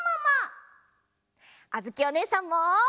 あづきおねえさんも！